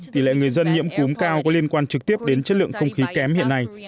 tỷ lệ người dân nhiễm cúm cao có liên quan trực tiếp đến chất lượng không khí kém hiện nay